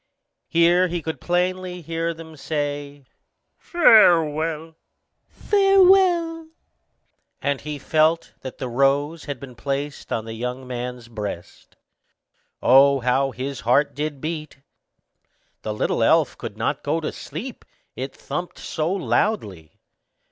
Here he could plainly hear them say, "Farewell, farewell;" and he felt that the rose had been placed on the young man's breast. Oh, how his heart did beat! The little elf could not go to sleep, it thumped so loudly.